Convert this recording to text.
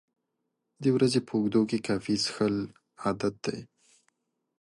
د ورځې په اوږدو کې کافي څښل عادت دی.